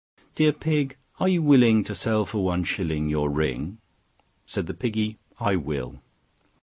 III. "Dear Pig, are you willing to sell for one shilling Your ring?" Said the Piggy, "I will."